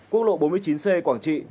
quốc lộ bốn mươi chín c quảng trị